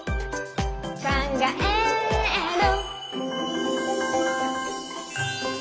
「かんがえる」